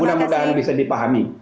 mudah mudahan bisa dipahami